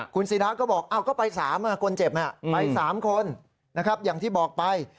คุณศิราก็บอกก็ไป๓คนเจ็บไป๓คนนะครับอย่างที่บอกไป